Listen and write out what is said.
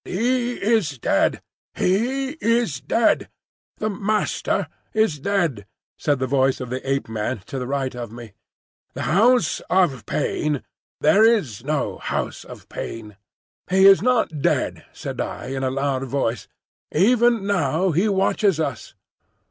"He is dead, he is dead! the Master is dead!" said the voice of the Ape man to the right of me. "The House of Pain—there is no House of Pain!" "He is not dead," said I, in a loud voice. "Even now he watches us!"